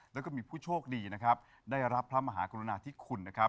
แล้วก็มีผู้โชคดีนะครับได้รับพระมหากรุณาธิคุณนะครับ